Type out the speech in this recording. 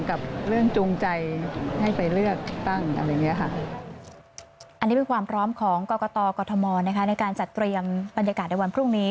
อันนี้เป็นความพร้อมของกรกตกรทมนะคะในการจัดเตรียมบรรยากาศในวันพรุ่งนี้